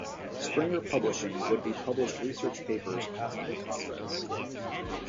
Springer Publishing would be published research papers passed at the conference.